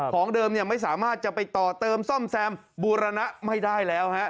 ของเดิมไม่สามารถจะไปต่อเติมซ่อมแซมบูรณะไม่ได้แล้วฮะ